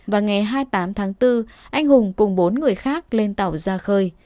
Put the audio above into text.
và ngày hai mươi tám tháng bốn anh hùng cùng bốn người khác lên tàu ra khơi